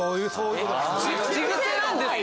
口癖なんですか？